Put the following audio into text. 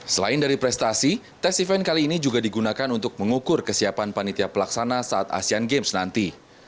selain dari prestasi tes event kali ini juga digunakan untuk mengukur kesiapan panitia pelaksana saat asean games nanti